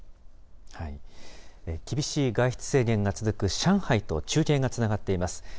厳しい外出制限が続く上海と中継がつながっています。